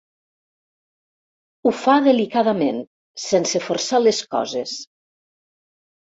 Ho fa delicadament, sense forçar les coses.